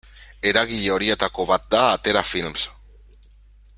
Eragile horietako bat da Atera Films.